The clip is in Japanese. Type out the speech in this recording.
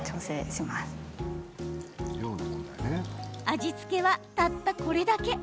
味付けは、たったこれだけ。